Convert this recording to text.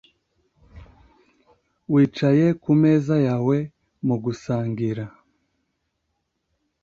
wicaye kumeza yawe mugusangira